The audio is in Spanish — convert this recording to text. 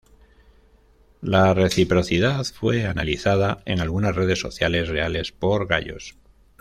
La reciprocidad fue analizada en algunas redes sociales reales por Gallos.